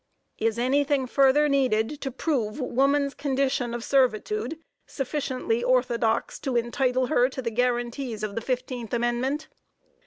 Is anything further needed to prove woman's condition of servitude sufficiently orthodox to entitle her to the guaranties of the fifteenth amendment?